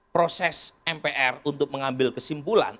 proses mpr untuk mengambil kesimpulan